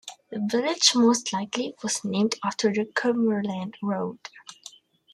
The village most likely was named after the Cumberland Road.